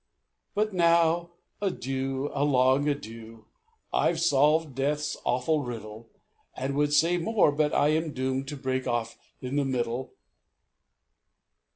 "But now, adieu a long adieu! I've solved death's awful riddle, And would say more, but I am doomed To break off in the middle!"